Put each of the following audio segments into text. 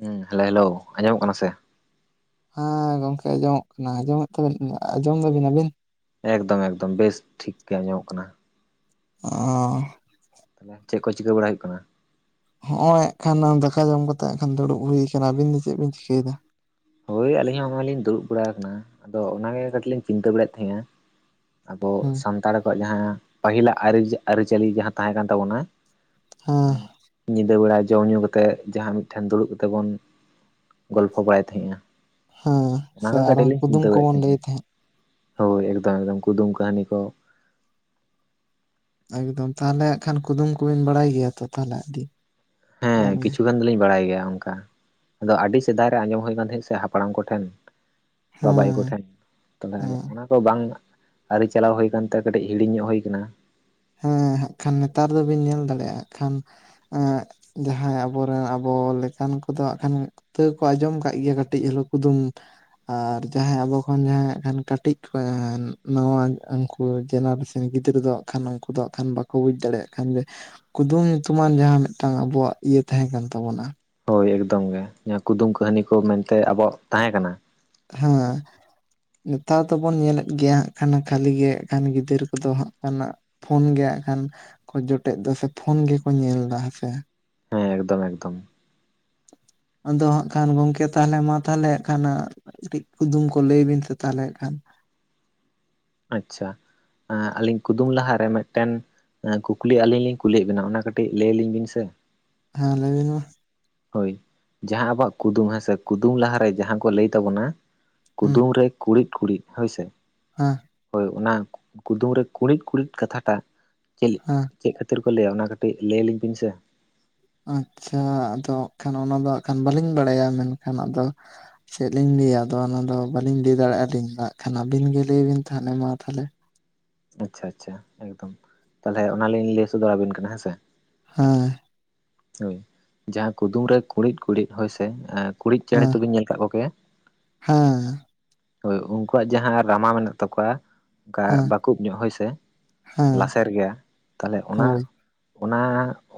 ᱦᱮᱸ hello hello ᱟᱸᱡᱚᱢᱚᱜ ᱠᱟᱱᱟ ᱥᱮ᱾ ᱦᱮᱸ ᱜᱚᱝᱠᱮ ᱟᱸᱡᱚᱢᱚᱜ ᱠᱟᱱᱟ ᱟᱸᱡᱚᱢᱮᱫ ᱛᱟᱹᱵᱤᱱᱟ, ᱟᱸᱡᱚᱢ ᱫᱟᱹᱵᱤᱱ ᱟᱹᱵᱤᱱ? ᱮᱠᱫᱚᱢ ᱮᱠᱫᱚᱢ ᱵᱮᱥ ᱴᱷᱤᱠ ᱜᱮ ᱟᱸᱡᱚᱢᱚᱜ ᱠᱟᱱᱟ᱾ ᱚᱸᱻ᱾ ᱛᱟᱦᱚᱞᱮ ᱪᱮᱜ ᱠᱚ ᱪᱤᱠᱟᱹ ᱵᱟᱲᱟᱭ ᱦᱩᱭᱩᱜ ᱠᱟᱱᱟ? ᱦᱚᱸᱜ-ᱚᱸᱭ ᱮᱸ ᱠᱷᱟᱱ ᱫᱟᱠᱟ ᱡᱚᱢ ᱠᱟᱛᱮᱜ ᱮᱠᱷᱟᱱ ᱫᱩᱲᱩᱵ ᱦᱩᱭ ᱟᱠᱟᱱᱟ, ᱟᱹᱵᱤᱱ ᱫᱚ ᱪᱮᱜ ᱵᱤᱱ ᱪᱤᱠᱟᱹᱭ ᱫᱟ? ᱦᱳᱭ ᱟᱹᱞᱤᱧ ᱦᱚᱸᱜ-ᱚᱭ ᱞᱤᱧ ᱫᱩᱲᱩᱵ ᱵᱟᱲᱟ ᱟᱠᱟᱱᱟ ᱟᱫᱚ ᱚᱱᱟ ᱜᱮ ᱠᱟᱹᱴᱤᱡ ᱞᱤᱧ ᱪᱤᱱᱛᱟᱹ ᱵᱟᱲᱟᱭᱮᱜ ᱛᱮᱦᱮᱸᱜ-ᱟ᱾ ᱟᱫᱚ ᱦᱩᱸ ᱥᱟᱱᱛᱟᱲ ᱠᱚᱣᱟᱜ ᱡᱟᱦᱟᱸ ᱯᱟᱹᱦᱤᱞᱟᱜ ᱟᱨᱤ ᱟᱨᱤᱪᱟᱹᱞᱤ ᱡᱟᱦᱟᱸ ᱛᱟᱦᱮᱸ ᱠᱟᱱ ᱛᱟᱵᱚᱱᱟᱼᱼ ᱦᱮᱸ᱾ ᱧᱤᱫᱟᱹ ᱵᱮᱲᱟ ᱡᱚᱢ ᱧᱩ ᱠᱟᱛᱮᱜ ᱡᱟᱦᱟᱸ ᱢᱤᱫ ᱴᱷᱮᱱ ᱫᱩᱲᱩᱵ ᱠᱟᱛᱮᱜ ᱵᱚᱱ ᱜᱚᱞᱯᱷᱚ ᱵᱟᱲᱟᱭ ᱛᱮᱦᱮᱸᱜ-ᱟ᱾ ᱦᱮᱸ ᱚᱱᱟ ᱥᱮ ᱠᱚ ᱠᱟᱹᱴᱤᱡ ᱟᱨᱦᱚᱸ ᱞᱤᱧ ᱠᱩᱫᱩᱢ ᱪᱤᱱᱛᱟᱹ ᱵᱟᱲᱟᱭᱮᱜ ᱠᱚᱵᱚᱱ ᱞᱟᱹᱭ ᱛᱮᱦᱮᱸᱜ-ᱟ ᱛᱟᱦᱮᱸᱫ ᱦᱳᱭ ᱮᱠᱫᱚᱢ ᱮᱠᱫᱚᱢ ᱠᱩᱫᱩᱢ ᱠᱟᱹᱦᱱᱤ ᱠᱚ᱾ ᱮᱠᱫᱚᱢ ᱛᱟᱦᱚᱞᱮ ᱟᱸᱜ ᱠᱷᱟᱱ ᱠᱩᱫᱩᱢ ᱠᱩᱵᱤᱱ ᱵᱟᱲᱟᱭ ᱜᱮᱭᱟ ᱛᱚ ᱛᱟᱦᱚᱞᱮ ᱟᱹᱰᱤᱼᱼ ᱦᱮᱸ ᱠᱤᱪᱷᱩ ᱜᱟᱱ ᱫᱩᱞᱤᱧ ᱵᱟᱲᱟᱭ ᱜᱮᱭᱟ ᱚᱝᱠᱟ ᱟᱫᱚ ᱟᱰᱤ ᱥᱮᱫᱟᱭ ᱨᱮ ᱟᱸᱡᱚᱢ ᱦᱩᱭ ᱠᱟᱱ ᱛᱟᱦᱮᱸᱜ-ᱟ ᱥᱮ ᱦᱟᱯᱲᱟᱢ ᱠᱚ ᱴᱷᱮᱱ᱾ ᱵᱟᱵᱟ ᱭᱳ ᱦᱮᱸ ᱠᱚᱴᱷᱮᱱ ᱛᱟᱦᱞᱮ ᱚᱱᱟ ᱠᱚ ᱵᱟᱝᱼᱼ ᱟᱹᱣᱨᱤ ᱪᱟᱞᱟᱣ ᱦᱩᱭ ᱟᱠᱟᱱ ᱛᱮ ᱠᱟᱹᱴᱤᱡ ᱦᱤᱲᱤᱧ ᱧᱚᱜ ᱦᱩᱭ ᱠᱟᱱᱟ᱾ ᱦᱮᱸ ᱦᱟᱸᱜ ᱠᱷᱟᱱ ᱱᱮᱛᱟᱨ ᱫᱚ ᱵᱤᱱ ᱧᱮᱞ ᱫᱟᱲᱮᱜ ᱟᱸᱜ ᱠᱷᱟᱱ ᱮᱸᱜᱼᱼ ᱡᱟᱦᱟᱸᱭ ᱟᱵᱚ ᱨᱮᱱ ᱟᱵᱚ ᱞᱮᱠᱟᱱ ᱠᱚᱫᱚ ᱦᱟᱸᱜ ᱠᱷᱟᱱᱼᱼ ᱛᱟᱹᱣ ᱠᱚ ᱟᱸᱡᱚᱢ ᱠᱟᱜ ᱜᱮᱭᱟ ᱠᱟᱹᱴᱤᱡ ᱦᱳᱞᱳ ᱠᱩᱫᱩᱢ᱾ ᱟᱨ ᱡᱟᱦᱟᱸᱭ ᱟᱵᱚ ᱠᱷᱚᱱ ᱡᱟᱦᱟᱸᱭ ᱦᱟᱸᱜ ᱠᱷᱟᱱ ᱠᱟᱹᱴᱤᱡ ᱠᱩ ᱟᱸᱻ ᱱᱚᱣᱟ‌ ᱚᱧ ᱚᱱᱠᱩᱼᱼ ᱠᱩ ᱡᱮᱱᱟᱨᱮᱥᱮᱱ ᱜᱤᱫᱽᱨᱟᱹ ᱫᱚ ᱦᱟᱸᱜ ᱠᱷᱟᱱ ᱩᱱᱠᱩ ᱫᱚ ᱦᱟᱸᱜ ᱠᱷᱟᱱ ᱵᱟᱠᱚ ᱵᱩᱡᱽ ᱫᱟᱲᱮᱭᱟᱜ ᱠᱷᱟᱱ ᱡᱮᱼᱼ ᱠᱩᱫᱩᱢ ᱧᱩᱛᱩᱢᱟᱱ ᱡᱟᱦᱟᱸ ᱢᱤᱫᱴᱟᱝ ᱟᱵᱚᱣᱟᱜ ᱤᱭᱟᱹ ᱛᱟᱦᱮᱸ ᱠᱟᱱ ᱛᱟᱵᱚᱱᱟ᱾ ᱦᱳᱭ ᱮᱠᱫᱚᱢ ᱜᱮ ᱧᱟ ᱠᱩᱫᱩᱢ ᱠᱟᱹᱦᱱᱤ ᱠᱚ ᱢᱮᱱᱛᱮ ᱟᱵᱚᱣᱟᱜ ᱛᱟᱦᱮᱸ ᱠᱟᱱᱟ᱾ ᱦᱮᱸ᱾ ᱱᱮᱛᱟᱨ ᱫᱚᱵᱚᱱ ᱧᱮᱞᱮᱫ ᱜᱮᱭᱟ ᱦᱟᱸᱜ ᱠᱷᱟᱱ ᱠᱷᱟᱹᱞᱤ ᱜᱮ ᱦᱟᱸᱜ ᱠᱷᱟᱱ ᱜᱤᱫᱟᱹᱨ ᱠᱚᱫᱚ ᱦᱟᱸᱜ ᱠᱷᱟᱱᱟᱜ ᱼᱼ ᱯᱷᱳᱱ ᱜᱮ ᱦᱟᱸᱜ ᱠᱷᱟᱱ ᱠᱚ ᱡᱚᱴᱮᱜ ᱫᱟ ᱥᱮ ᱯᱷᱳᱱ ᱜᱮᱠᱚ ᱧᱮᱞ ᱫᱟ ᱦᱮᱸ ᱥᱮ᱾ ᱦᱮᱸ ᱮᱠᱫᱚᱢ ᱮᱠᱫᱚᱢ᱾ ᱟᱫᱚ ᱦᱟᱸᱜ ᱠᱷᱟᱱ ᱜᱚᱝᱠᱮ ᱛᱟᱦᱚᱞᱮ ᱢᱟ ᱛᱟᱦᱚᱞᱮ ᱦᱟᱸᱜ ᱠᱷᱟᱱᱼᱼ ᱠᱟᱹᱴᱤᱡ ᱠᱩᱫᱩᱢ ᱠᱚ ᱞᱟᱹᱭ ᱵᱤᱱ ᱥᱮ ᱛᱟᱦᱞᱮ ᱮᱸᱠᱷᱟᱱᱼᱼ ᱟᱪᱪᱷᱟ ᱟᱸᱻ ᱟᱹᱞᱤᱧ ᱠᱩᱫᱩᱢ ᱞᱟᱦᱟ ᱨᱮ ᱢᱤᱫᱴᱮᱱ ᱮᱸ ᱠᱩᱠᱞᱤ ᱟᱹᱞᱤᱧ ᱞᱤᱧ ᱠᱩᱞᱤ ᱭᱮᱜ ᱵᱮᱱᱟ ᱚᱱᱟ ᱠᱟᱹᱴᱤᱡ ᱞᱟᱹᱭ ᱞᱤᱧ ᱵᱤᱱ ᱥᱮ᱾ ᱦᱮᱸ ᱞᱟᱹᱭ ᱵᱤᱱ ᱢᱟ᱾ ᱦᱳᱭ ᱡᱟᱦᱟᱸ ᱟᱵᱚᱣᱟᱜ ᱠᱩᱫᱩᱢ ᱦᱮᱸ ᱥᱮ ᱠᱩᱫᱩᱢ ᱞᱟᱦᱟᱱᱨᱮ ᱡᱟᱦᱟᱸ ᱠᱚ ᱞᱟᱹᱭ ᱛᱟᱵᱚᱱᱟ ᱦᱩᱸ ᱠᱩᱫᱩᱢ ᱨᱮᱼᱼ ᱠᱩᱲᱤᱫ ᱠᱩᱲᱤᱫ ᱦᱚᱭ ᱥᱮᱼᱼ ᱦᱮᱸ᱾ ᱦᱳᱭ ᱚᱱᱟ ᱠᱩᱫᱩᱢ ᱨᱮ ᱠᱩᱬᱤᱫ ᱠᱩᱬᱤᱫ ᱠᱟᱛᱷᱟ ᱴᱟᱜ ᱪᱮᱜᱼᱼ ᱦᱮᱸ ᱪᱮᱜ ᱠᱷᱟᱹᱛᱤᱨ ᱠᱚ ᱞᱟᱹᱭᱟ ᱚᱱᱟ ᱠᱟᱹᱴᱤᱡ ᱞᱟᱹᱭ ᱞᱤᱧ ᱵᱤᱱ ᱥᱮ? ᱟᱸᱪᱪᱷᱟ ᱟᱫᱚ ᱦᱟᱸᱜ ᱠᱷᱟᱱ ᱚᱱᱟ ᱫᱚ ᱦᱟᱸᱜ ᱠᱷᱟᱱ ᱵᱟᱞᱤᱧ ᱵᱟᱲᱟᱭᱟ ᱢᱮᱱᱠᱷᱟᱱ ᱟᱫᱚᱼᱼ ᱪᱮᱜ ᱞᱤᱧ ᱞᱟᱹᱭᱟ ᱟᱫᱚ ᱚᱱᱟ ᱫᱚ ᱵᱟᱞᱤᱧ ᱞᱟᱹᱭ ᱫᱟᱲᱮᱭᱟᱜ-ᱟ ᱟᱹᱞᱤᱧ ᱫᱚ ᱦᱟᱸᱜ ᱠᱷᱟᱱ ᱟᱵᱤᱱ ᱜᱮ ᱞᱟᱹᱭ ᱵᱤᱱ ᱛᱟᱦᱚᱞᱮ ᱢᱟ ᱛᱟᱦᱚᱞᱮ᱾ ᱟᱪᱪᱷᱟ ᱟᱪᱪᱷᱟ ᱮᱠᱫᱚᱢ ᱛᱟᱞᱦᱮ ᱚᱱᱟ ᱞᱤᱧ ᱞᱟᱹᱭ ᱥᱚᱫᱚᱨᱟ ᱵᱤᱱ ᱠᱟᱱᱟ ᱦᱮᱸ ᱥᱮ᱾ ᱦᱮᱸ᱾ ᱦᱳᱭ ᱡᱟᱦᱟᱸ ᱠᱩᱫᱩᱢ ᱨᱮ ᱠᱩᱬᱤᱫ ᱠᱩᱬᱤᱫ ᱦᱳᱭ ᱥᱮ ᱮᱸᱫᱼᱼ ᱠᱩᱬᱤᱫ ᱪᱮᱬᱮ ᱦᱮᱸ ᱛᱚ ᱵᱤᱱ ᱧᱮᱞ ᱠᱟᱜ ᱠᱚ ᱜᱮᱭᱟ? ᱦᱮᱸ ᱦᱳᱭ ᱩᱱᱠᱩᱣᱟᱜ ᱡᱟᱦᱟᱸ ᱨᱟᱢᱟ ᱢᱮᱱᱟᱜ ᱛᱟᱠᱚᱣᱟᱼᱼ ᱚᱱᱠᱟ ᱦᱮᱸ ᱵᱟᱠᱩᱵ ᱧᱚᱜ ᱦᱳᱭ ᱥᱮ ᱦᱮᱸ ᱞᱟᱥᱮᱨ ᱜᱮᱭᱟ᱾ ᱛᱟᱦᱚᱞᱮ ᱚᱱᱟ ᱦᱳᱭ ᱚᱱᱟ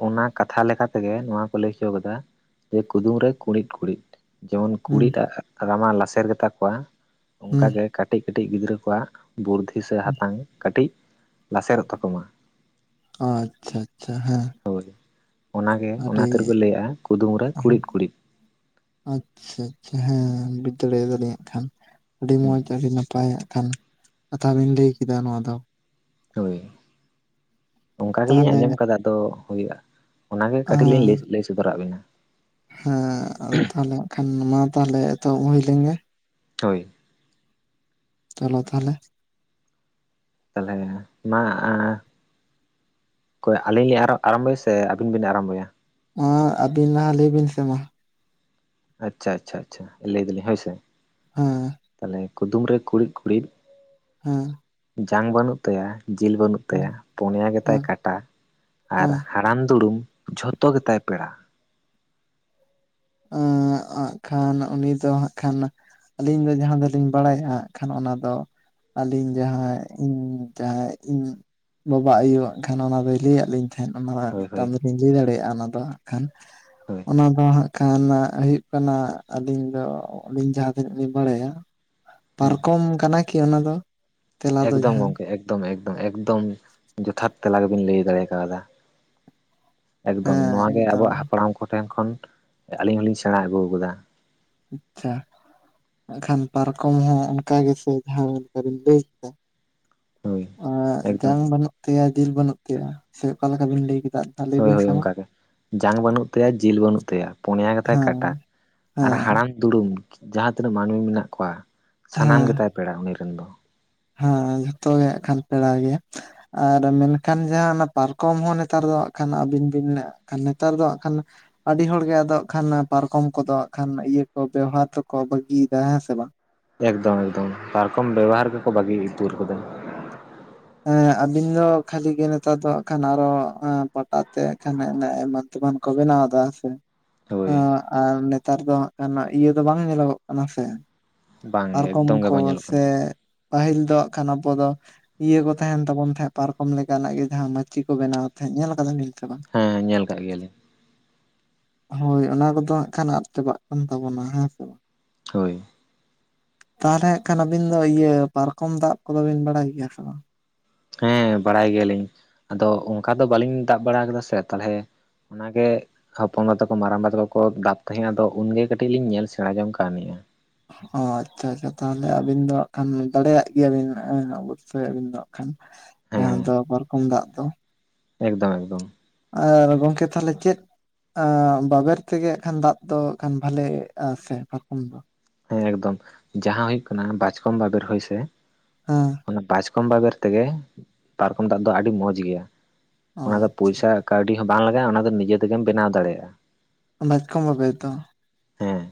ᱚᱱᱟ ᱠᱟ ᱛᱷᱟ ᱞᱮᱠᱟ ᱞᱮᱠᱟ ᱛᱮᱜᱮ ᱱᱚᱣᱟ ᱠᱚ ᱞᱟᱹᱭ ᱦᱚᱪᱚ ᱠᱟᱫᱟ ᱡᱮ ᱠᱩᱫᱩᱢ ᱨᱮ ᱠᱩᱬᱤᱫ ᱠᱩᱬᱤᱫ᱾ ᱡᱮᱢᱚᱱ ᱦᱩᱸ ᱠᱩᱲᱤᱫᱟᱜ ᱨᱟᱢᱟ ᱞᱟᱥᱮᱨ ᱜᱮᱛᱟ ᱠᱚᱣᱟ ᱦᱩᱸ ᱚᱱᱠᱟᱜᱮ ᱠᱟᱹᱴᱤᱡ ᱠᱟᱹᱴᱤᱡ ᱜᱤᱫᱽᱨᱟᱹ ᱠᱚᱣᱟᱜ ᱵᱩᱨᱫᱷᱤ ᱥᱮ ᱦᱩᱸ ᱦᱟᱛᱟᱝ ᱠᱟᱹᱴᱤᱡ ᱞᱟᱥᱮᱨᱚᱜ ᱛᱟᱠᱚᱢᱟ᱾ ᱟᱪᱪᱷᱟ ᱟᱪᱪᱷᱟ ᱦᱮᱸ᱾ ᱦᱳᱭ ᱚᱱᱟᱜᱮ ᱚᱱᱟ ᱟᱹᱰᱤ ᱛᱮᱨᱮ ᱠᱚ ᱞᱟᱹᱭᱟᱜᱼᱟ ᱠᱩᱫᱩᱢ ᱨᱮ ᱦᱮᱸ ᱠᱩᱬᱤᱫ ᱠᱩᱬᱤᱫ᱾ ᱟᱪᱪᱷᱟ ᱟᱪᱪᱷᱟ ᱦᱮᱸᱦᱮᱸ ᱵᱩᱡᱽ ᱫᱟᱲᱮᱭᱟᱫᱟ ᱞᱤᱧ ᱦᱟᱹᱜ ᱠᱷᱟᱱ᱾ ᱟᱹᱰᱤ ᱢᱚᱸᱡᱽ ᱟᱹᱰᱤ ᱱᱟᱯᱟᱭᱟᱜ ᱠᱟᱱ ᱠᱟᱛᱷᱟ ᱵᱤᱱ ᱞᱟᱹᱭ ᱠᱮᱫᱟ ᱱᱚᱣᱟ ᱫᱚ᱾ ᱦᱳᱭ ᱚᱱᱠᱟ ᱜᱮᱞᱤᱧ ᱛᱟᱦᱚᱞᱮ ᱟᱸᱡᱚᱢ ᱦᱮᱸ ᱠᱟᱫᱟ ᱛᱚ ᱦᱳᱭᱳᱜᱼᱟ᱾ ᱚᱱᱟ ᱜᱮ ᱠᱟᱹᱴᱤᱡ ᱞᱤᱧ ᱞᱮ ᱞᱮᱭ ᱥᱚᱫᱚᱨᱟᱜ ᱵᱤᱱᱟ᱾ ᱦᱮᱸ ᱟᱫᱚ ᱛᱟᱦᱚᱞᱮ ᱠᱷᱟᱱ ᱢᱟ ᱛᱟᱦᱚᱞᱮ ᱮᱛᱚᱦᱚᱵ ᱦᱳᱭ ᱞᱮᱱ ᱜᱮ᱾ ᱦᱳᱭ ᱪᱚᱞᱚ ᱛᱟᱦᱚᱞᱮ᱾ ᱛᱟᱦᱚᱞᱮ ᱢᱟ ᱟᱹᱞᱤᱧ ᱞᱤᱧ ᱟᱨ ᱟᱨᱚ ᱟᱨᱟᱢᱵᱚᱭᱟ ᱥᱮ ᱟᱹᱵᱤᱱ ᱵᱤᱱ ᱟᱨᱟᱢᱵᱚᱭᱟ ᱢᱟ ᱟᱹᱵᱤᱱ ᱞᱟᱦᱟ ᱞᱟᱹᱭ ᱵᱤᱱ ᱥᱮ ᱢᱟ ᱟᱪᱪᱷᱟ ᱪᱷᱟ ᱪᱷᱟ ᱞᱟᱹᱭ ᱫᱟᱞᱤᱧ ᱦᱳᱭᱥᱮ ᱛᱟᱦᱚᱞᱮ ᱠᱩᱫᱩᱢ ᱨᱮ ᱠᱩᱲᱤᱫ ᱠᱩᱲᱤᱫ ᱦᱩᱸ ᱡᱟᱝ ᱵᱟᱹᱱᱩᱜ ᱛᱟᱭᱟ ᱡᱤᱞ ᱵᱟᱹᱱᱩᱜ ᱦᱮᱸ ᱛᱟᱭᱟ ᱯᱳᱱᱭᱟ ᱜᱮᱛᱟᱭ ᱦᱮᱸ ᱠᱟᱴᱟ ᱟᱨ ᱦᱮᱸ ᱦᱟᱲᱟᱢ ᱫᱩᱲᱩᱢ ᱡᱷᱚᱛᱚ ᱜᱮᱛᱟᱭ ᱯᱮᱲᱟ ᱦᱩᱸ ᱠᱷᱟᱱ [inaudible] ᱩᱱᱤ ᱫᱚ ᱦᱟᱸᱜ ᱠᱷᱟᱱ ᱟᱹᱞᱤᱧ ᱫᱚ ᱡᱟᱦᱟᱸ ᱫᱚᱞᱤᱧ ᱵᱟᱲᱟᱭᱟᱜ ᱠᱷᱟᱱ ᱚᱱᱟ ᱫᱚ ᱟᱹᱞᱤᱧ ᱡᱟᱦᱟᱸᱭ ᱤᱧ ᱡᱟᱦᱟᱸᱭ ᱤᱧᱤᱜ ᱵᱟᱵᱟ ᱟᱭᱳᱣᱟᱜ ᱠᱷᱟᱱ ᱚᱱᱟ ᱫᱚᱭ ᱞᱟᱹᱭᱟ ᱞᱤᱧ ᱛᱟᱦᱮᱸᱫ ᱚᱱᱟ ᱨᱮ ᱟᱨ ᱦᱳᱭ ᱦᱳᱭ ᱢᱤᱴᱟᱱ ᱫᱚᱞᱤᱧ ᱞᱟᱹᱭ ᱫᱟᱲᱮᱭᱟᱜᱼᱟ ᱚᱱᱟ ᱫᱚ ᱦᱟᱸᱜ ᱠᱷᱟᱱ ᱦᱳᱭ ᱚᱱᱟ ᱫᱚ ᱦᱟᱸᱜ ᱠᱷᱟᱱ ᱦᱩᱭᱩᱜ ᱠᱟᱱᱟ ᱟᱹᱞᱤᱧ ᱫᱚ ᱟᱹᱞᱤᱧ ᱡᱟᱦᱟᱸ ᱛᱤᱱᱟᱹᱜ ᱞᱤᱧ ᱵᱟᱲᱟᱭᱟ ᱦᱮᱸ ᱯᱟᱨᱠᱚᱢ ᱠᱟᱱᱟ ᱠᱤ ᱚᱱᱟ ᱫᱚ ᱛᱮᱞᱟ ᱫᱚ ᱮᱠᱫᱚᱢ ᱡᱟᱦᱟᱸ ᱜᱚᱝᱠᱮ ᱮᱠᱫᱚᱢ ᱮᱠᱫᱚᱢ ᱮᱠᱫᱚᱢ ᱡᱚᱛᱷᱟᱛ ᱛᱮᱞᱟ ᱜᱮᱵᱤᱱ ᱞᱟᱹᱭ ᱫᱟᱲᱮ ᱠᱟᱣᱫᱟ ᱮᱠᱫᱚᱢ ᱦᱮᱸ ᱱᱚᱣᱟ ᱜᱮ ᱮᱠᱫᱚᱢ ᱟᱵᱚᱣᱟᱜ ᱦᱟᱯᱲᱟᱢ ᱠᱚᱴᱷᱮᱱ ᱠᱷᱚᱱ ᱟᱹᱞᱤᱧ ᱦᱚᱞᱤᱧ ᱥᱮᱬᱟ ᱟᱹᱜᱩ ᱟᱠᱟᱫᱟ ᱟᱪᱪᱷᱟ ᱮᱠᱷᱟᱱ ᱯᱟᱨᱠᱚᱢ ᱦᱚᱸ ᱚᱱᱠᱟ ᱜᱮᱥᱮ ᱡᱟᱦᱟᱸ ᱚᱱᱠᱟᱞᱤᱱ ᱞᱟᱹᱭ ᱠᱮᱫᱟ ᱦᱳᱭ ᱮᱠᱫᱚᱢ ᱡᱟᱝ ᱵᱟᱹᱱᱩᱜ ᱛᱟᱭᱟ ᱡᱤᱞ ᱵᱟᱹᱱᱩᱜ ᱛᱟᱭᱟ ᱥᱮ ᱚᱠᱟ ᱞᱮᱠᱟ ᱵᱤᱱ ᱞᱟᱹᱭ ᱠᱮᱫᱟ ᱟᱨ ᱞᱟᱹᱭ ᱦᱳᱭ ᱵᱤᱱ ᱦᱳᱭ ᱥᱮ ᱢᱟ ᱚᱱᱠᱟ ᱜᱮ ᱡᱟᱝ ᱵᱟᱹᱱᱩᱜ ᱛᱟᱭᱟ ᱡᱤᱞ ᱵᱟᱹᱱᱩᱜ ᱛᱟᱭᱟ ᱯᱳᱱᱮᱭᱟ ᱜᱮᱛᱟᱭ ᱦᱮᱸ ᱠᱟᱴᱟ ᱟᱨ ᱦᱮᱸ ᱦᱟᱲᱟᱢ ᱫᱩᱲᱩᱢ ᱡᱟᱦᱟᱸ ᱛᱤᱱᱟᱹᱜ ᱢᱟᱹᱱᱢᱤ ᱢᱮᱱᱟᱜ ᱠᱚᱣᱟ ᱥᱟᱱᱟᱢ ᱦᱮᱸ ᱜᱮᱛᱟᱭ ᱯᱮᱲᱟ ᱩᱱᱤ ᱨᱤᱱ ᱫᱚ ᱦᱮᱸ ᱡᱷᱚᱛᱚ ᱜᱮ ᱦᱟᱸᱜ ᱠᱷᱟᱱ ᱯᱮᱲᱟ ᱜᱮ ᱟᱨ ᱢᱮᱱᱠᱷᱟᱱ ᱡᱟᱦᱟᱸ ᱚᱱᱟ ᱯᱟᱨᱠᱚᱢ ᱦᱚᱸ ᱱᱮᱛᱟᱨ ᱫᱚ ᱦᱟᱸᱜ ᱠᱷᱟᱱ ᱟᱹᱵᱤᱱ ᱵᱤᱱ ᱱᱮᱛᱟᱨ ᱫᱚ ᱦᱟᱸᱜ ᱠᱷᱟᱱ ᱟᱹᱰᱤ ᱦᱚᱲᱜᱮ ᱟᱫᱚ ᱠᱷᱟᱱ ᱯᱟᱨᱠᱚᱢ ᱠᱚᱫᱚ ᱠᱷᱟᱱ ᱤᱭᱟᱹ ᱠᱚ ᱵᱮᱣᱦᱟᱨ ᱫᱚᱠᱚ ᱵᱟᱹᱜᱤᱭᱮᱫᱟ ᱦᱮᱸ ᱥᱮ ᱵᱟᱝ ᱮᱠᱫᱚᱢ ᱮᱠᱫᱚᱢ ᱯᱟᱨᱠᱚᱢ ᱵᱮᱵᱚᱦᱟᱨ ᱜᱮᱠᱚ ᱵᱟᱹᱜᱤ ᱩᱛᱟᱹᱨ ᱟᱠᱟᱫᱟ ᱦᱮᱸ ᱟᱵᱤᱱ ᱫᱚ ᱠᱷᱟᱹᱞᱤ ᱜᱮ ᱱᱮᱛᱟᱨ ᱫᱚ ᱠᱷᱟᱱ ᱟᱨᱚ ᱯᱟᱴᱟ ᱛᱮ ᱮᱢᱟᱱ ᱢᱟᱱ ᱠᱚ ᱵᱮᱱᱟᱣ ᱫᱟ ᱥᱮ ᱟᱸ ᱦᱳᱭ ᱟᱨ ᱱᱮᱛᱟᱨ ᱫᱚ ᱦᱟᱸᱜ ᱠᱷᱟᱱ ᱤᱭᱟᱹ ᱫᱚ ᱵᱟᱝ ᱧᱮᱞᱚᱜᱚ ᱠᱟᱱᱟ ᱥᱮ ᱵᱟᱝᱜᱮ ᱯᱟᱨᱠᱚᱢ ᱮᱠᱫᱚᱢ ᱜᱮ ᱠᱚ ᱵᱟᱝ ᱧᱮᱞᱚᱜ ᱠᱟᱱᱟ ᱥᱮ ᱯᱟᱹᱦᱤᱞ ᱫᱚ ᱠᱷᱟᱱ ᱟᱵᱚ ᱫᱚ ᱤᱭᱟᱹ ᱠᱚ ᱛᱟᱦᱮᱱ ᱛᱟᱵᱚᱱ ᱛᱟᱦᱮᱸᱜ ᱯᱟᱨᱠᱚᱢ ᱞᱮᱠᱟᱱᱟᱜ ᱜᱮ ᱡᱟᱦᱟᱸ ᱢᱟᱹᱪᱤ ᱠᱚ ᱵᱮᱱᱟᱣ ᱛᱟᱦᱮᱸᱫ ᱧᱮᱞ ᱟᱠᱟᱫᱟ ᱵᱤᱱ ᱵᱟᱝ ᱦᱮᱸ ᱧᱮᱞ ᱠᱟᱜ ᱜᱮᱭᱟ ᱞᱤᱧ ᱦᱳᱭ ᱚᱱᱟ ᱠᱚᱫᱚ ᱦᱟᱸᱜ ᱠᱷᱟᱱ ᱟᱫ ᱪᱟᱵᱟᱜ ᱠᱟᱱ ᱛᱟᱵᱚᱱᱟ ᱦᱮᱸ ᱥᱮ ᱦᱳᱭ ᱛᱟᱦᱚᱞᱮ ᱦᱟᱸᱜ ᱠᱷᱟᱱ ᱟᱹᱵᱤᱱ ᱫᱚ ᱤᱭᱟᱹ ᱯᱟᱨᱠᱚᱢ ᱫᱟᱜᱽ ᱠᱚᱫᱚ ᱵᱤᱱ ᱵᱟᱰᱟᱭ ᱜᱮᱭᱟ ᱥᱮ ᱵᱟᱝ? ᱦᱮᱸ ᱵᱟᱲᱟᱭ ᱜᱮᱭᱟᱞᱤᱧ ᱟᱫᱚ ᱚᱱᱠᱟ ᱫᱚ ᱵᱟᱹᱞᱤᱧ ᱫᱟᱜᱽ ᱵᱟᱲᱟ ᱟᱠᱟᱫᱟ ᱥᱮ ᱛᱟᱦᱚᱞᱮ ᱚᱱᱟᱜᱮ ᱦᱟᱯᱟᱱ ᱵᱟ ᱛᱟᱠᱚ ᱢᱟᱨᱟᱝᱵᱟ ᱛᱟᱠᱚ ᱠᱚ ᱜᱟᱵ ᱛᱟᱦᱮᱸᱱ ᱟᱫᱚ ᱩᱱᱜᱮ ᱠᱟᱹᱴᱤᱡ ᱞᱤᱧ ᱧᱮᱞ ᱥᱮᱲᱟ ᱡᱚᱝ ᱠᱟᱱᱜᱮᱭᱟ ᱚ ᱟᱪᱪᱷᱟ ᱟᱪᱪᱷᱟ ᱛᱟᱦᱚᱞᱮ ᱟᱹᱵᱤᱱ ᱫᱚ ᱦᱟᱜ ᱠᱷᱟᱱ ᱫᱟᱲᱮᱭᱟᱜ ᱜᱮᱭᱟ ᱵᱤᱱ ᱚᱵᱚᱥᱳᱭ ᱟᱵᱤᱱ ᱫᱚ ᱠᱷᱟᱱ ᱡᱟᱦᱟᱸ ᱫᱚ ᱦᱮᱸ ᱯᱟᱨᱠᱚᱢ ᱫᱟᱜ ᱫᱚ ᱮᱠᱫᱚᱢ ᱮᱠᱫᱚᱢ ᱟᱨ ᱜᱚᱝᱠᱮ ᱛᱟᱦᱚᱞᱮ ᱪᱮᱫ ᱵᱟᱵᱮᱨ ᱛᱮᱜᱮ ᱦᱟᱜ ᱠᱷᱟᱱ ᱫᱟᱜ ᱫᱚ ᱵᱷᱟᱞᱮ ᱟ ᱥᱮ ᱯᱟᱨᱠᱚᱢ ᱫᱚ ᱦᱮᱸ ᱮᱠᱫᱚᱢ ᱡᱟᱦᱟᱸ ᱦᱩᱭᱩᱜ ᱠᱟᱱᱟ ᱵᱟᱪᱠᱚᱢ ᱵᱟᱵᱮᱨ ᱦᱚᱭ ᱥᱮ ᱦᱩᱸ ᱚᱱᱟ ᱵᱟᱪᱠᱚᱢ ᱵᱟᱵᱮᱨ ᱛᱮᱜᱮ ᱯᱟᱨᱠᱚᱢ ᱫᱟᱜ ᱫᱚ ᱟᱹᱰᱤ ᱢᱚᱡᱽ ᱜᱮᱭᱟ ᱚ ᱚᱱᱟ ᱫᱚ ᱟᱪᱪᱷᱟ ᱯᱩᱭᱥᱟ ᱠᱟᱹᱣᱰᱤ ᱦᱚᱸ ᱵᱟᱝ ᱞᱟᱜᱟᱜᱼᱟ ᱚᱱᱟ ᱫᱚ ᱱᱤᱡᱮ ᱛᱮᱜᱮᱢ ᱵᱮᱱᱟᱣ ᱫᱟᱲᱮᱭᱟᱜᱼᱟ ᱵᱟᱪᱠᱚᱢ ᱵᱟᱵᱮ ᱛᱚ ᱦᱮᱸ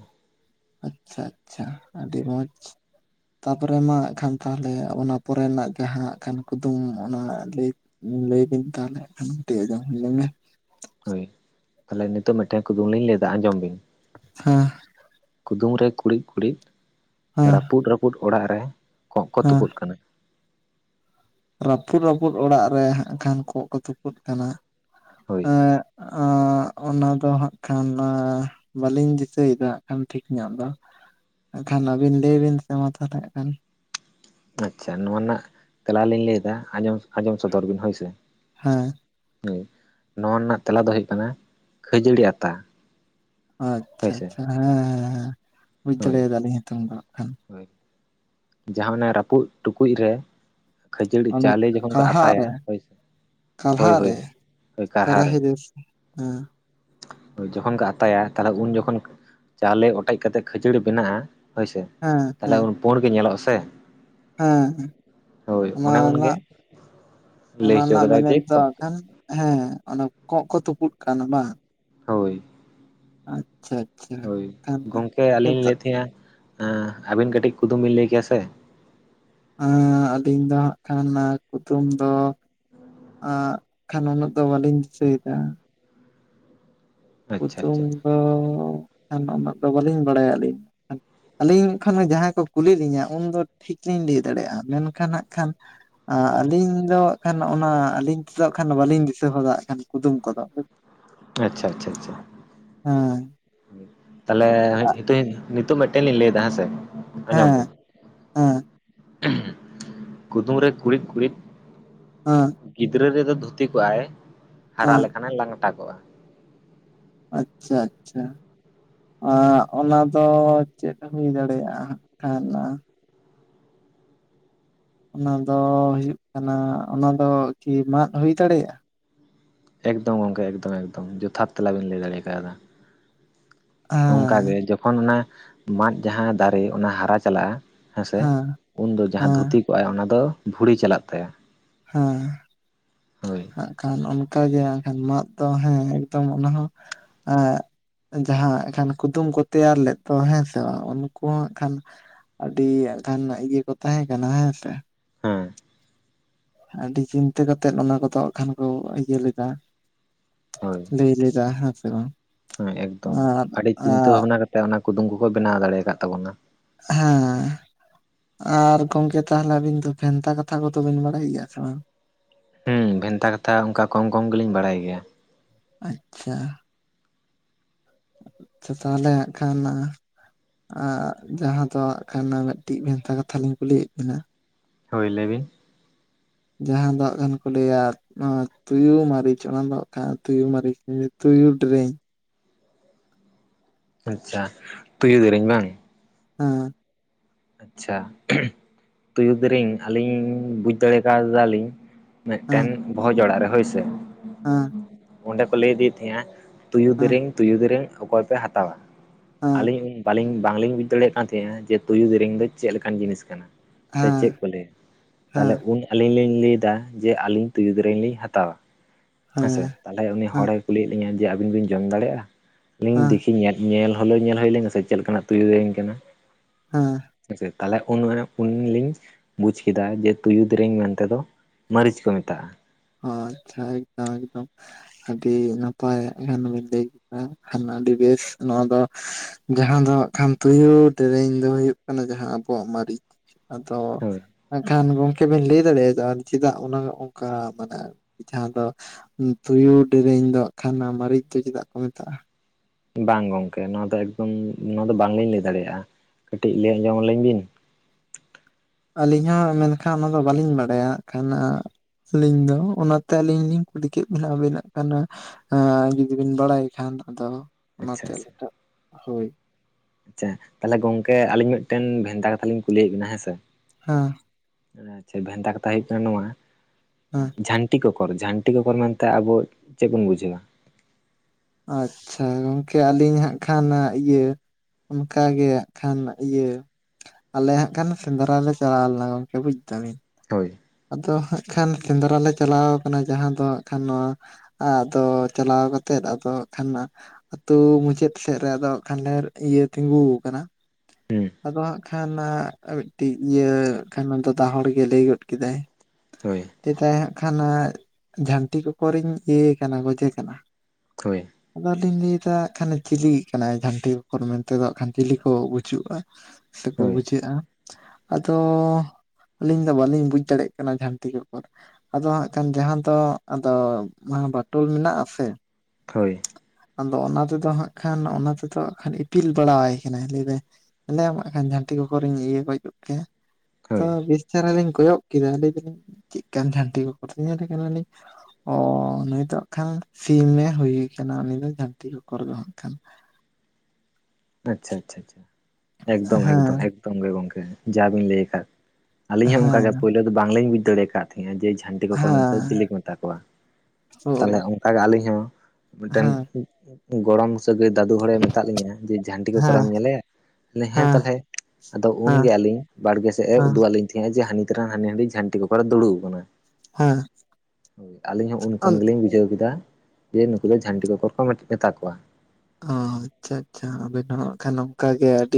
ᱟᱪᱪᱷᱟ ᱟᱪᱪᱷᱟ ᱟᱹᱰᱤ ᱢᱚᱡᱽ ᱛᱟᱯᱚᱨᱮ ᱢᱟ ᱦᱟᱜ ᱠᱷᱟᱱ ᱛᱟᱦᱚᱞᱮ ᱚᱱᱟ ᱯᱚᱨᱮᱱᱟᱜ ᱡᱟᱦᱟᱸ ᱦᱟᱸᱜ ᱠᱷᱟᱱ ᱠᱩᱫᱩᱢ ᱚᱱᱟ ᱞᱟᱹᱭ ᱞᱟᱹᱭ ᱵᱤᱱ ᱛᱟᱦᱚᱞᱮ ᱴᱷᱤᱠ ᱟᱡᱚᱢ ᱦᱩᱭ ᱞᱮᱜᱮ ᱦᱳᱭ ᱛᱟᱦᱚᱞᱮ ᱱᱤᱛᱚᱜ ᱢᱤᱫᱴᱮᱱ ᱠᱩᱫᱩᱢ ᱞᱤᱧ ᱞᱟᱹᱭᱮᱫᱟ ᱟᱸᱡᱚᱢ ᱵᱤᱱ ᱦᱮᱸ ᱠᱩᱫᱩᱢ ᱨᱮ ᱠᱩᱲᱤᱫᱼ ᱠᱩᱲᱤᱫ ᱦᱮᱸ ᱨᱟᱹᱯᱩᱫ ᱨᱟᱹᱯᱩᱫ ᱚᱲᱟᱜ ᱨᱮ ᱠᱚᱸᱜ ᱠᱚ ᱦᱮᱸ ᱛᱩᱯᱩᱫ ᱠᱟᱱᱟ ᱨᱟᱹᱯᱩᱫ ᱨᱟᱹᱯᱩᱫ ᱚᱲᱟᱜ ᱨᱮ ᱦᱟᱸᱜ ᱠᱷᱟᱱ ᱠᱚᱸᱜ ᱠᱚ ᱛᱩᱯᱩᱫ ᱠᱟᱱᱟ ᱦᱳᱭ [inaudible] ᱚᱱᱟ ᱫᱚ ᱦᱟᱸᱜ ᱠᱷᱟᱱ ᱵᱟᱹᱞᱤᱧ ᱫᱤᱥᱟᱹᱭᱫᱟ ᱦᱟᱸᱜ ᱠᱷᱟᱱ ᱴᱷᱤᱠ ᱧᱚᱜ ᱫᱚ ᱮᱠᱷᱟᱱ ᱟᱹᱵᱤᱱ ᱞᱟᱹᱭ ᱵᱤᱱ ᱥᱮ ᱢᱟ ᱛᱟᱦᱚᱞᱮ ᱮᱜ ᱠᱷᱟᱱ ᱟᱪᱪᱷᱟ ᱱᱚᱣᱟ ᱨᱮᱱᱟᱜ ᱛᱮᱞᱟ ᱞᱤᱧ ᱞᱟᱹᱭᱫᱟ ᱟᱸᱚᱢ ᱟᱸᱡᱚᱢ ᱥᱚᱫᱚᱨ ᱵᱤᱱ ᱦᱳᱭᱥᱮ ᱦᱮᱸ ᱦᱩ ᱱᱚᱣᱟ ᱨᱮᱱᱟᱜ ᱛᱮᱞᱟ ᱫᱚ ᱦᱩᱭᱩᱜ ᱠᱟᱱᱟ ᱠᱷᱟᱹᱡᱟᱹᱲᱤ ᱟᱛᱟ ᱦᱳᱭ ᱟᱪᱪᱷᱟ ᱥᱮ ᱟᱪᱪᱷᱟ ᱦᱮᱸᱦᱮᱸ ᱵᱩᱡ ᱦᱳᱭ ᱫᱟᱲᱮᱭᱟ ᱫᱟᱞᱤᱧ ᱱᱤᱛᱚᱝ ᱫᱚ ᱦᱟᱜ ᱠᱷᱟᱱ ᱦᱳᱭ ᱡᱟᱦᱟᱸ ᱚᱱᱮ ᱨᱟᱹᱯᱩᱫ ᱴᱩᱠᱩᱡ ᱨᱮ ᱠᱷᱟᱹᱡᱟᱹᱲᱤ ᱚᱱᱮ ᱪᱟᱣᱞᱮ ᱡᱚᱠᱷᱚᱱ ᱠᱚ ᱠᱟᱨᱦᱟᱜ ᱟᱛᱟᱭᱟ ᱨᱮ ᱦᱳᱭ ᱦᱳᱭ ᱠᱟᱞᱦᱟᱜ ᱨᱮ ᱦᱳᱭ ᱠᱟᱨᱦᱟ ᱨᱮ ᱠᱟᱨᱟᱦᱤᱨᱤ ᱥᱮ ᱡᱚᱠᱷᱚᱱ ᱠᱚ ᱟᱛᱟᱭᱟ ᱛᱟᱦᱞᱮ ᱩᱱ ᱡᱚᱠᱷᱚᱱ ᱪᱟᱣᱞᱮ ᱚᱴᱮᱡ ᱠᱟᱛᱮᱫ ᱠᱷᱟᱹᱡᱟᱹᱲᱤ ᱵᱮᱱᱟᱜᱼᱟ ᱦᱳᱭᱥᱮ ᱦᱮᱸ ᱛᱟᱦᱞᱮ ᱦᱮᱸ ᱩᱱ ᱯᱩᱲ ᱜᱮ ᱧᱮᱞᱚᱜ ᱟᱥᱮ ᱦᱮᱸ ᱚᱱᱟ ᱩᱱᱜᱮ ᱨᱮᱱᱟᱜ ᱞᱟᱹᱭ ᱚᱱᱟ ᱦᱚᱪᱚ ᱨᱮᱱᱟᱜ ᱠᱟᱫᱟ ᱡᱮ ᱢᱮᱱᱮᱫ ᱫᱚ ᱮᱠᱷᱟᱱ ᱦᱮᱸ ᱚᱱᱟ ᱠᱚᱸᱜ ᱠᱚ ᱛᱩᱯᱩᱫ ᱠᱟᱱᱟ ᱵᱟᱝ ᱦᱳᱭ ᱟᱪᱪᱷᱟ ᱟᱪᱷᱟ ᱟᱪᱷᱟ ᱦᱳᱭ ᱜᱚᱝᱠᱮ ᱟᱹᱞᱤᱧ ᱞᱤᱧ ᱞᱟᱹᱭᱮᱫ ᱛᱟᱦᱮᱸᱱᱟ ᱟᱹᱵᱤᱱ ᱠᱟᱹᱴᱤᱡ ᱠᱩᱫᱩᱢ ᱵᱤᱱ ᱞᱟᱹᱭ ᱠᱮᱭᱟ ᱥᱮ ᱟᱹᱞᱤᱧ ᱫᱚ ᱦᱟᱸᱜ ᱠᱷᱟᱱ ᱠᱩᱫᱩᱢ ᱫᱚ ᱠᱷᱟᱱ ᱩᱱᱟᱹᱜ ᱫᱚ ᱵᱟᱹᱞᱤᱧ ᱫᱤᱥᱟᱹᱭᱫᱟ ᱟᱪᱪᱷᱟ ᱠᱩᱫᱩᱢ [inaudible] ᱠᱟᱱ ᱩᱱᱟᱹᱜ ᱫᱚ ᱵᱟᱹᱞᱤᱧ ᱵᱟᱲᱟᱭ ᱟᱞᱤᱧ ᱟᱹᱞᱤᱧ ᱠᱷᱚᱱ ᱡᱟᱦᱟᱸᱭ ᱠᱚ ᱠᱩᱞᱤ ᱞᱤᱧᱟ ᱩᱱᱫᱚ ᱴᱷᱤᱠ ᱞᱤᱧ ᱞᱟᱹᱭ ᱫᱟᱲᱮᱭᱟᱜᱼᱟ ᱢᱮᱱᱠᱷᱟᱱ ᱦᱟᱸᱜ ᱠᱷᱟᱱ ᱟᱹᱞᱤᱧ ᱫᱚ ᱦᱟᱜ ᱠᱷᱟᱱ ᱚᱱᱟ ᱟᱹᱞᱤᱧ ᱛᱮᱫᱚ ᱦᱟᱜ ᱠᱷᱟᱱ ᱵᱟᱹᱞᱤᱧ ᱫᱤᱥᱟᱹ ᱦᱚᱫᱟᱜ ᱠᱷᱟᱱ ᱠᱩᱫᱩᱢ ᱠᱚᱫᱚ ᱟᱪᱪᱷᱟ ᱟᱪᱪᱷᱟ ᱟᱪᱪᱷᱟ ᱦᱮᱸ ᱛᱟᱦᱚᱞᱮ ᱱᱤᱛᱚᱜ ᱢᱤᱫᱴᱮᱱ ᱞᱤᱧ ᱞᱟᱹᱭᱫᱟ ᱦᱮᱸᱥᱮ ᱟᱸᱡᱚᱢ ᱵᱤᱱ ᱦᱮᱸ ᱠᱩᱫᱩᱢ ᱨᱮ ᱠᱩᱬᱤᱫ ᱠᱩᱬᱤᱫ ᱦᱮᱸ ᱜᱤᱫᱽᱨᱟᱹ ᱨᱮᱫᱚ ᱫᱷᱩᱛᱤ ᱠᱚᱜᱼ ᱟᱭ ᱦᱟᱨᱟ ᱦᱮᱸ ᱞᱮᱠᱷᱟᱱᱮ ᱞᱟᱝᱴᱟ ᱠᱚᱜᱼᱟ ᱟᱪᱪᱷᱟ ᱟᱪᱪᱷᱟ ᱾ ᱚᱱᱟ ᱫᱚ ᱪᱮᱫ ᱮᱢ ᱦᱩᱭ ᱫᱟᱲᱮᱭᱟᱜᱼᱟ ᱛᱟᱦᱮᱱᱟ‌? ᱚᱱᱟ ᱫᱚ ᱦᱩᱭᱩᱜ ᱠᱟᱱᱟ ᱚᱱᱟ ᱫᱚ ᱠᱤ ᱢᱟᱫ ᱦᱩᱭ ᱫᱟᱲᱮᱭᱟᱜᱼᱟ? ᱮᱠᱫᱚᱢ ᱜᱚᱢᱠᱮ ᱮᱠᱫᱚᱢ ᱮᱠᱫᱚᱢ ᱡᱚᱛᱷᱟᱛ ᱛᱮᱞᱟᱵᱮᱱ ᱞᱟᱹᱭ ᱫᱟᱲᱮ ᱠᱟᱣᱫᱟ ᱾ ᱚᱱᱠᱟᱜᱮ ᱦᱮᱸ ᱡᱚᱠᱷᱚᱱ ᱚᱱᱟ ᱢᱟᱫ ᱡᱟᱦᱟᱸ ᱫᱟᱨᱮ ᱚᱱᱟ ᱦᱟᱨᱟ ᱪᱟᱞᱟᱜᱼᱟ ᱾ ᱦᱮᱸᱥᱮ ᱦᱮᱸ ᱩᱱᱫᱚ ᱡᱟᱦᱟᱸ ᱦᱮᱸ ᱫᱷᱩᱛᱤ ᱠᱚᱜᱼᱟᱭ ᱚᱱᱟ ᱫᱚ ᱵᱷᱩᱲᱤ ᱪᱟᱞᱟᱜ ᱛᱟᱭᱟ ᱾ ᱦᱮᱸ ᱠᱷᱟᱱ ᱚᱱᱠᱟᱜᱮ ᱠᱷᱟᱱ ᱢᱟᱫ ᱫᱚ ᱦᱮᱸ ᱮᱠᱫᱚᱢ ᱚᱱᱟ ᱦᱚᱸ ᱮ ᱡᱟᱦᱟᱸ ᱮᱜ ᱠᱷᱟᱱ ᱠᱩᱫᱩᱢ ᱠᱚ ᱛᱮᱭᱟᱨ ᱞᱮᱫ ᱫᱚᱚᱦᱮᱸ ᱥᱮ ᱵᱟᱝ ᱩᱱᱠᱩ ᱦᱚᱸ ᱦᱜ ᱠᱷᱟᱱ, ᱟᱹᱰᱤ ᱟᱸᱜ ᱜᱟᱱ ᱤᱭᱟᱹ ᱠᱚ ᱛᱟᱦᱮᱸ ᱠᱟᱱᱟ ᱦᱮᱸ ᱥᱮ, ᱦᱮᱸ ᱟᱹᱰᱤ ᱪᱤᱱᱛᱟᱹ ᱠᱟᱛᱮᱫ ᱚᱱᱟ ᱠᱚᱫᱚ ᱦᱜ ᱠᱷᱟᱱ ᱠᱚ ᱤᱭᱟᱹ ᱞᱮᱫᱟ ᱾ ᱦᱳᱭ ᱞᱟᱹᱭ ᱞᱮᱫᱟ ᱦᱮ ᱥᱮ ᱵᱟᱝ, ᱦᱮᱸ ᱮᱠᱫᱚᱢ ᱟᱨ ᱟᱹᱰᱤ ᱪᱤᱱᱛᱟᱹ ᱟᱨ ᱵᱷᱟᱵᱽᱱᱟ ᱠᱟᱛᱮᱫ ᱚᱱᱟ ᱠᱩᱫᱩᱢ ᱠᱚᱠᱚ ᱵᱮᱱᱟᱣ ᱫᱟᱲᱮ ᱟᱠᱟᱫ ᱛᱟᱵᱚᱱᱟ‌ ᱾ ᱦᱮᱸ ᱟᱨ ᱜᱚᱢᱠᱮ ᱛᱟᱦᱚᱞᱮ ᱟᱵᱤᱱ ᱫᱚ ᱵᱷᱮᱱᱛᱟ ᱠᱟᱛᱷᱟ ᱠᱚᱫᱚ ᱵᱤᱱ ᱵᱟᱲᱟᱭ ᱜᱮᱭᱟ ᱥᱮ ᱵᱟᱝ? ᱦᱸ ᱵᱷᱮᱱᱛᱟ ᱠᱟᱛᱷᱟ ᱚᱱᱠᱟ ᱠᱚᱢ ᱠᱚᱢ ᱜᱮᱞᱤᱧ ᱵᱟᱲᱟᱭ ᱜᱮᱭᱟ ᱾ ᱟᱪᱪᱷᱟ ᱾ ᱛᱟᱦᱚᱞᱮ ᱦᱟᱸᱜ ᱠᱷᱟᱱ ᱟᱨ ᱡᱟᱦᱟᱸ ᱫᱚ ᱠᱷᱟᱱ ᱢᱤᱫᱴᱤᱡ ᱵᱷᱮᱱᱛᱟ ᱠᱟᱛᱷᱟ ᱞᱤᱧ ᱠᱩᱞᱤᱭᱮᱫ ᱵᱤᱱᱟ᱾ ᱦᱳᱭ ᱞᱟᱹᱭ ᱵᱤᱱ ᱾ ᱡᱟᱦᱟᱸ ᱫᱚ ᱦᱟᱸᱜ ᱠᱷᱟᱱ ᱠᱚ ᱞᱟᱹᱭᱟ‌ ᱱᱚᱣᱟ ᱛᱩᱭᱩ ᱢᱟᱹᱨᱤᱪ ᱚᱱᱟᱫᱚ [unintelligible] ᱛᱩᱭᱩ ᱢᱟᱹᱨᱤᱪ ᱛᱩᱭᱩ ᱰᱮᱨᱮᱧ ᱟᱪᱪᱷᱟ, ᱛᱩᱭᱩ ᱫᱮᱨᱮᱧ ᱵᱟᱝ? ᱦᱮᱸ᱾ ᱟᱪᱪᱷᱟ, ᱛᱩᱭᱩ ᱫᱮᱨᱮᱧ ᱟᱹᱞᱤᱧ ᱵᱩᱡᱽ ᱫᱟᱲᱮ ᱠᱟᱣᱫᱟᱞᱤᱧ ᱢᱤᱫᱴᱮᱱ ᱦᱮᱸ ᱵᱷᱚᱡᱽ ᱚᱲᱟᱜ ᱨᱮ ᱦᱳᱭ ᱥᱮ ᱦᱮᱸ ᱚᱸᱰᱮ ᱠᱚ ᱞᱟᱹᱭ ᱤᱫᱤᱭᱮᱫ ᱛᱟᱦᱮᱸᱱᱟ ᱛᱩᱭᱩ ᱦᱮᱸ ᱫᱮᱨᱮᱧ, ᱛᱩᱭᱩ ᱫᱮᱨᱮᱧ ᱚᱠᱚᱭ ᱯᱮ ᱦᱟᱛᱟᱣᱟ? ᱦᱮᱸ ᱟᱹᱞᱤᱧ ᱵᱟᱞᱤᱝ ᱵᱟᱝᱞᱤᱧ ᱵᱩᱡᱽ ᱫᱟᱲᱮᱭᱟᱜ ᱠᱟᱱ ᱛᱟᱦᱮᱸᱱᱟ ᱡᱮ ᱛᱩᱭᱩ ᱫᱮᱨᱮᱧ ᱫᱚ ᱪᱮᱫ ᱞᱮᱠᱟᱱ ᱡᱤᱱᱤᱥ ᱠᱟᱱᱟ! ᱥᱮ ᱪᱮᱫ ᱦᱮᱸ ᱠᱚ ᱞᱟᱹᱭᱟ ᱛᱟᱦᱚᱞᱮ ᱦᱮᱸ ᱩᱱ ᱟᱹᱞᱤᱧ ᱞᱤᱧ ᱞᱟᱹᱭ ᱮᱫᱟ ᱡᱮ ᱟᱹᱞᱤᱧ ᱛᱩᱭᱩ ᱫᱮᱨᱮᱧ ᱞᱤᱧ ᱦᱟᱛᱟᱣᱟ ᱦᱮᱸᱥᱮ ᱦᱮᱸ ᱛᱟᱦᱚᱞᱮ ᱩᱱᱤ ᱦᱮᱸ ᱦᱚᱲᱮ ᱠᱩᱞᱤᱭᱮᱫ ᱞᱤᱧᱟᱹ ᱡᱮ ᱟᱹᱵᱤᱱ ᱵᱤᱱ ᱡᱚᱢ ᱫᱟᱲᱮᱭᱟᱜᱼᱟ ᱾ ᱟᱹᱞᱤᱧ ᱫᱮ ᱦᱮᱸ ᱧᱮᱞ ᱧᱮᱞ ᱦᱚᱞᱚ ᱧᱮᱞ ᱦᱩᱭ ᱞᱮᱱ ᱜᱮ ᱥᱮ ᱪᱮᱫ ᱞᱮᱠᱟᱱᱟᱜ ᱛᱩᱭᱩ ᱫᱮᱨᱮᱧ ᱠᱟᱱᱟ ᱾ ᱦᱮᱸ᱾ ᱦᱮᱸᱥᱮ ᱛᱟᱦᱚᱞᱮ ᱩᱱ ᱩᱱ ᱞᱤᱧ ᱵᱩᱡᱽ ᱠᱮᱫᱟ ᱡᱮ ᱛᱩᱭᱩ ᱫᱮᱨᱮᱧ ᱢᱮᱱᱛᱮ ᱫᱚ ᱢᱟᱹᱨᱤᱪ ᱠᱚ ᱢᱮᱛᱟᱜᱼᱟ ᱾ ᱦᱚᱸ ᱟᱪᱪᱷᱟ ᱮᱠᱫᱚᱢ ᱮᱠᱫᱚᱢ ᱾ ᱟᱹᱰᱤ ᱱᱟᱯᱟᱭ ᱠᱷᱟᱱ ᱵᱤᱱ ᱞᱟᱹᱭ ᱠᱮᱫᱟ ᱠᱷᱟᱱ ᱟᱹᱰᱤ ᱵᱮᱹᱥ ᱱᱚᱣᱟ ᱫᱚ ᱾ ᱡᱟᱦᱟᱸ ᱫᱚ ᱦᱟᱸᱜ ᱠᱷᱟᱱ ᱛᱩᱭᱩ ᱫᱮᱨᱮᱧ ᱫᱚ ᱦᱩᱭᱩᱜ ᱠᱟᱱᱟ ᱡᱟᱦᱟᱸ ᱟᱵᱚᱣᱟᱜ ᱢᱟᱹᱨᱤᱪ ᱾ ᱟᱫᱚ ᱦᱳᱭ ᱮᱠᱷᱟᱱ ᱜᱚᱝᱠᱮ ᱵᱮᱱ ᱞᱟᱹᱭ ᱫᱟᱲᱮᱭᱟᱜᱼᱟ ᱪᱮᱫᱟᱜ ᱚᱱᱟ ᱚᱱᱠᱟ? ᱢᱟᱱᱮ ᱡᱟᱦᱟᱸ ᱫᱚ ᱛᱩᱭᱩ ᱰᱮᱨᱮᱧ ᱫᱚ ᱠᱷᱟᱱ ᱢᱟᱹᱨᱤᱪ ᱫᱚ ᱪᱮᱫᱟᱜ ᱠᱚ ᱢᱮᱛᱟᱜᱼᱟ? ᱵᱟᱝ ᱜᱚᱝᱠᱮ ᱱᱚᱣᱟ ᱫᱚ ᱮᱠᱫᱚᱢ ᱱᱚᱣᱟ ᱫᱚ ᱵᱟᱝᱞᱤᱧ ᱞᱟᱹᱭ ᱫᱟᱲᱮᱭᱟᱜᱼᱟ ᱾ ᱠᱟᱹᱴᱤᱡ ᱞᱟᱹᱭ ᱟᱸᱡᱚᱢ ᱟᱹᱞᱤᱧ ᱵᱤᱱ ᱾ ᱟᱹᱞᱤᱧ ᱦᱚᱸ ᱢᱮᱱᱠᱷᱟᱱ ᱚᱱᱟᱫᱚ ᱵᱟᱹᱞᱤᱧ ᱵᱟᱲᱟᱭᱟ ᱠᱷᱟᱱ᱾ ᱟᱹᱞᱤᱧ ᱫᱚ ᱚᱱᱟᱛᱮ ᱟᱹᱞᱤᱧ ᱞᱤᱧ ᱠᱩᱞᱤ ᱠᱮᱫ ᱵᱤᱱᱟ ᱟᱵᱤᱱᱟᱜ ᱠᱟᱱᱟ ᱟᱸᱻ ᱡᱩᱫᱤ ᱵᱤᱱ ᱵᱟᱲᱟᱭ ᱠᱷᱟᱱ ᱟᱫᱚ ᱟᱪᱪᱷᱟ ᱚᱱᱟᱛᱮ ᱟᱪᱪᱷᱟ [unintelligible] ᱦᱳᱭ ᱾ ᱟᱪᱪᱷᱟ ᱛᱟᱦᱚᱞᱮ ᱜᱚᱝᱠᱮ ᱟᱹᱞᱤᱧ ᱢᱤᱫᱴᱮᱱ ᱵᱷᱮᱱᱛᱟ ᱠᱟᱛᱷᱟ ᱞᱤᱧ ᱠᱩᱞᱤᱭᱮᱫ ᱵᱤᱱᱟ ᱦᱮᱸ ᱥᱮ? ᱦᱮᱸ ᱟᱪᱪᱷᱟ ᱵᱷᱮᱱᱛᱟ ᱠᱟᱛᱷᱟ ᱦᱩᱭᱩᱜ ᱠᱟᱱᱟ ᱱᱚᱣᱟ, ᱦᱮᱸ ᱡᱷᱟᱱᱴᱤ ᱠᱚᱠᱚᱨ, ᱡᱷᱟᱱᱴᱤ ᱠᱚᱠᱚᱨ ᱢᱮᱱᱛᱮ ᱟᱵᱚ ᱪᱮᱫ ᱵᱚᱱ ᱵᱩᱡᱷᱟᱹᱣᱟ? ᱟᱪᱪᱷᱟ, ᱜᱚᱝᱠᱮ ᱟᱹᱞᱤᱧ ᱦᱟᱸᱜ ᱠᱷᱟᱱ ᱤᱭᱟᱹ ᱚᱱᱠᱟ ᱜᱮ ᱟᱜ ᱠᱷᱟᱱ ᱤᱭᱟᱹ, ᱟᱞᱮ ᱦᱟᱸᱜ ᱠᱷᱟᱱ ᱥᱮᱸᱫᱽᱨᱟ ᱞᱮ ᱪᱟᱞᱟᱣ ᱞᱮᱱᱟ ᱜᱚᱝᱠᱮ ᱵᱩᱡᱽ ᱫᱟᱵᱤᱱ᱾ ᱦᱳᱭ ᱟᱫᱚ ᱦᱟᱸᱜ ᱠᱷᱟᱱ ᱥᱮᱸᱫᱽᱨᱟ ᱞᱮ ᱪᱟᱞᱟᱣ ᱠᱟᱱᱟ ᱡᱟᱦᱟᱸ ᱫᱚ ᱦᱟᱸᱜ ᱠᱷᱟᱱ ᱱᱚᱣᱟ ᱟᱫᱚ ᱪᱟᱞᱟᱣ ᱠᱟᱛᱮᱫ ᱟᱫᱚ ᱦᱟᱸᱜ ᱠᱷᱟᱱ [unintelligible] ᱟᱹᱛᱩᱻ ᱢᱩᱪᱟᱹᱫ ᱥᱮᱫ ᱨᱮ ᱟᱫᱚ ᱠᱷᱟᱱ ᱤᱭᱟᱹ ᱛᱤᱸᱜᱩ ᱠᱟᱱᱟ, ᱦᱩᱸ ᱟᱫᱚ ᱦᱟᱸᱜ ᱠᱷᱟᱱ ᱢᱤᱫᱴᱤᱡ ᱤᱭᱟᱹ ᱠᱷᱟᱱ ᱫᱟᱫᱟ ᱦᱚᱲ ᱜᱮ ᱞᱟᱹᱭ ᱜᱚᱫ ᱠᱤᱫᱟᱭ ᱦᱳᱭ [unintelligible] ᱦᱟᱸᱜ ᱠᱷᱟᱱ ᱡᱷᱟᱱᱴᱤ ᱠᱚᱠᱚᱨᱤᱧ ᱤᱭᱟᱹᱭᱮ ᱠᱟᱱᱟ ᱜᱚᱡᱮ ᱠᱟᱱᱟ᱾ ᱦᱳᱭ ᱟᱫᱚ ᱞᱤᱧ ᱞᱟᱹᱭᱮᱫᱟ ᱠᱷᱟᱱ ᱪᱤᱞᱤ ᱠᱟᱱᱟᱭ? ᱡᱷᱟᱱᱴᱤ ᱠᱚᱠᱚᱨ ᱢᱮᱱᱛᱮ ᱫᱚ ᱦᱟᱸᱜ ᱠᱷᱟᱱ ᱪᱤᱞᱤ ᱠᱚ ᱵᱩᱡᱷᱩᱜ-ᱟ? ᱥᱮᱠᱚ ᱦᱳᱭ ᱵᱩᱡᱷᱟᱹᱜᱼᱟ ᱟᱫᱚ ᱟᱹᱞᱤᱧ ᱫᱚ ᱵᱟᱹᱞᱤᱧ ᱵᱩᱡ ᱫᱟᱲᱮᱭᱟᱜ ᱠᱟᱱᱟ ᱡᱷᱟᱱᱴᱤ ᱠᱚᱠᱚᱨ ᱟᱫᱚ ᱦᱟᱜ ᱠᱷᱟᱱ ᱡᱟᱦᱟᱸ ᱫᱚ ᱟᱫᱚ ᱵᱟᱴᱳᱞ ᱢᱮᱱᱟᱜ-ᱟ ᱥᱮ ᱦᱳᱭ ᱟᱫᱚ ᱚᱱᱟ ᱛᱮᱫᱚ ᱦᱟᱸᱜ ᱠᱷᱟᱱ ᱚᱱᱟ ᱛᱮᱫᱚ ᱦᱟ ᱠᱷᱟᱱ ᱤᱯᱤᱞ ᱵᱟᱲᱟᱣᱟᱭ ᱠᱟᱱᱟᱭ ᱞᱟᱹᱭ ᱫᱟᱭ ᱧᱮᱞᱮ ᱭᱟᱢ ᱟᱠᱷᱟᱱ ᱡᱷᱟᱹᱱᱴᱤ ᱠᱚᱠᱚᱚᱨᱤᱧ ᱤᱭᱟᱹ ᱜᱚᱡ ᱜᱚᱫ ᱠᱟᱭᱟ ᱟᱫᱚ ᱦᱳᱭ ᱵᱮᱥ ᱪᱮᱦᱨᱟ ᱞᱤᱧ ᱠᱚᱭᱚᱜ ᱠᱮᱫᱟ ᱟᱹᱞᱤᱧ ᱫᱚᱞᱤᱧ ᱪᱮᱫᱠ ᱡᱷᱟᱹᱱᱴᱤ ᱠᱚᱠᱚ ᱧᱮᱞᱮ ᱠᱟᱱᱟᱞᱤᱧ ᱚ ᱱᱩᱤᱫᱚ ᱠᱷᱟᱱ ᱥᱤᱢᱮ ᱦᱩᱤ ᱠᱟᱱᱟ ᱩᱱᱤ ᱫᱚ ᱡᱷᱟᱹᱱᱴᱤ ᱠᱚᱠᱚᱨ ᱫᱚ ᱦᱟᱸᱜ ᱠᱷᱟᱱ ᱟᱪᱪᱷᱟ ᱟᱪᱪᱷᱟ ᱪᱷᱟ ᱮᱠᱫᱚᱢ ᱦᱮᱸ ᱮᱠᱫᱚᱢ ᱮᱠᱫᱚᱢ ᱜᱮ ᱜᱚᱢᱠᱮ ᱡᱟ ᱵᱤᱱ ᱞᱟᱹᱭ ᱠᱟᱫ ᱟᱹᱞᱤᱧ ᱦᱚᱸ ᱚᱱᱠᱟ ᱦᱮᱸ ᱜᱮ ᱯᱳᱭᱞᱳ ᱫᱚ ᱵᱟᱝᱞᱤᱧ ᱵᱩᱡ ᱫᱟᱲᱮᱭᱟᱠᱟᱫ ᱛᱟᱦᱮᱸᱫ ᱡᱮ ᱡᱷᱟᱱ [unintelligible] ᱠᱚᱠᱚ ᱢᱮᱱᱛᱮ ᱦᱮᱸ ᱪᱤᱞᱤ ᱠᱚ ᱢᱮᱛᱟ ᱠᱚᱣᱟ ᱦᱳᱭ ᱛᱟᱦᱚᱞᱮ ᱚᱱᱠᱟᱜᱮ ᱟᱹᱞᱤᱧ ᱦᱚᱸ ᱢᱤᱫᱴᱟᱱ ᱦᱮᱸ ᱜᱚᱲᱚᱢ ᱥᱟᱹᱜᱟᱹᱭ ᱫᱟᱹᱫᱩ ᱦᱚᱲᱮ ᱢᱮᱛᱟᱜ ᱞᱤᱧᱟᱹ ᱡᱮ ᱡᱷᱟᱹᱱᱴᱤ ᱠᱚᱠᱚᱨ ᱦᱮᱸ ᱮᱢ ᱧᱮᱞᱮᱭᱟ ᱦᱮᱸ ᱛᱟᱦᱚᱞᱮ ᱟᱫᱚ ᱩᱱᱜᱮ ᱦᱮᱸ ᱟᱹᱞᱤᱧ ᱵᱟᱲᱜᱮ ᱥᱮᱫ ᱮ ᱩᱫᱩᱜ ᱟᱹᱞᱤᱧ ᱛᱮ ᱡᱮ ᱦᱟᱹᱱᱤ ᱛᱟᱨᱟ ᱦᱟᱹᱱᱤ ᱦᱺᱰᱤ ᱡᱷᱟᱹᱱᱴᱤ ᱠᱚᱠᱚᱨᱮ ᱫᱩᱲᱩᱵ ᱟᱠᱟᱱᱟ ᱦᱮᱸ ᱦᱳᱭ ᱟᱹᱞᱤᱧ ᱦᱚᱸ ᱩᱱ ᱠᱷᱚᱱ ᱦᱮᱸ ᱜᱮᱞᱤᱧ ᱵᱩᱡᱷᱟᱹᱣ ᱠᱮᱫᱟ ᱡᱮ ᱱᱩᱠᱩ ᱫᱚ ᱡᱷᱟᱹᱱᱴᱤ ᱠᱚ ᱠᱚ ᱠᱚ ᱢᱮᱛᱟ ᱠᱚᱣᱟ ᱚ ᱟᱪᱪᱷᱟ ᱟᱪᱪᱷᱟ ᱟᱵᱮᱱ ᱦᱚᱸ ᱠᱷᱟᱱ ᱱᱚᱚᱱᱠᱟ ᱜᱮ ᱟᱹᱰᱤ